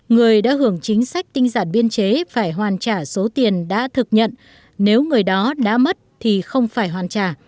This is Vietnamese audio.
người đã hưởng chính sách tinh giản biên chế phải hoàn trả số tiền đã thực nhận nếu người đó đã mất thì không phải hoàn trả